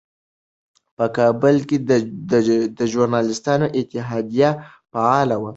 په کابل کې ژورنالېستانو اتحادیه فعاله وه.